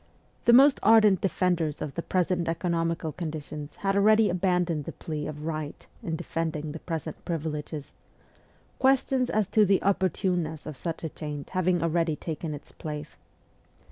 The most ardent defenders of the present economical conditions had already abandoned the plea of right in defending the present privileges ques tions as to the opportuneness of such a, change having already taken its place.